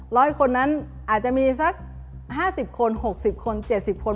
ร้อยคนนั้นอาจจะมีสัก๕๐คน๖๐คน๗๐คน